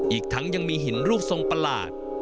อีกทั้งยังมีหินรูปทรงประหลาด